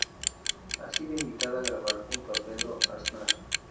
Ha sido invitada a grabar junto a Pedro Aznar.